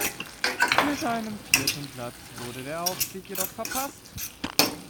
Mit einem vierten Platz wurde der Aufstieg jedoch verpasst.